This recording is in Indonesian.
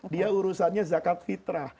dia urusannya zakat fitrah